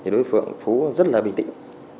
đối phượng phú rất là bình tĩnh